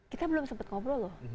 kita belum sempat ngobrol loh